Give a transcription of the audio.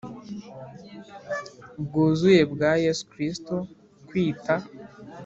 bwuzuye bwa Yesu Kristo kwita